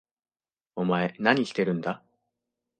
お前何してるんだ？